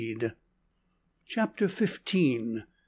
CHAPTER FIFTEEN.